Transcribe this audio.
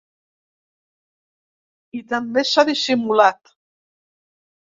I també s’ha dissimulat.